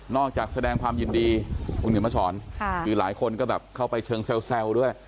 จากแสดงความยินดีคุณเขียนมาสอนคือหลายคนก็แบบเข้าไปเชิงแซวด้วย